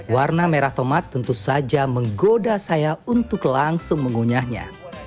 warna merah tomat tentu saja menggoda saya untuk langsung mengunyahnya